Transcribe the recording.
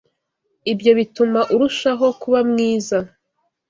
Ibyo bituma urushaho kuba mwiza.